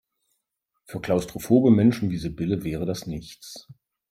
Für klaustrophobe Menschen wie Sibylle wäre das nichts.